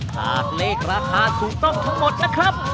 หากเลขราคาถูกต้องทั้งหมดนะครับ